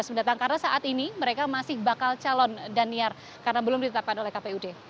dua ribu tujuh belas mendatang karena saat ini mereka masih bakal calon daniar karena belum ditetapkan oleh kpud